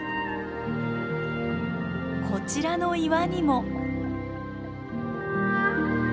こちらの岩にも。